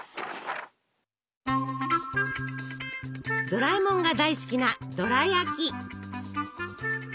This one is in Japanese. ドラえもんが大好きなドラやき。